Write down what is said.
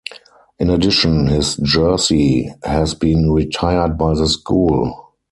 In addition, his jersey has been retired by the school.